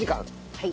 はい。